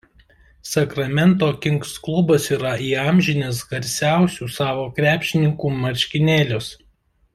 Sacramento Kings klubas yra įamžinęs garsiausių savo krepšininkų marškinėlius.